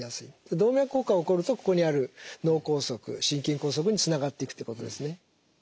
動脈硬化が起こるとここにある脳梗塞心筋梗塞につながっていくということですね。